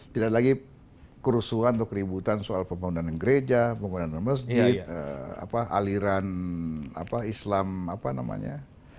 tidak lagi kerusuhan atau keributan soal pembangunan gereja pembangunan masjid aliran islam apa namanya